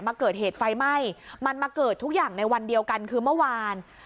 มาเกิดเหตุไฟไหม้มันมาเกิดทุกอย่างในวันเดียวกันคือเมื่อวาน